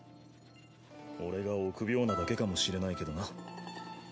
俺が臆病なだけかもしれないけどな。